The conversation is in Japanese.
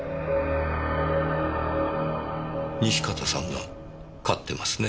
西片さんが勝ってますね。